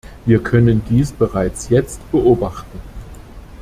Wir können dies bereits jetzt beobachten.